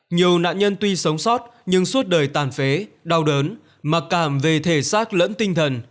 nhiều nạn nhân tuy sống sót nhưng suốt đời tàn phế đau đớn mặc cảm về thể xác lẫn tinh thần